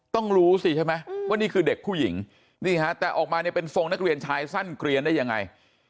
ต้องรู้สิใช่ไหมว่านี่คือเด็กผู้หญิงนี่ฮะแต่ออกมาเนี่ยเป็นทรงนักเรียนชายสั้นเกลียนได้ยังไง